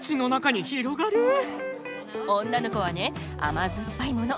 女の子はね甘酸っぱいもの